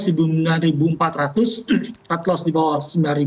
cut loss di bawah sembilan ribu